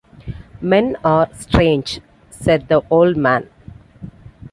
“Men are strange,” said the old man.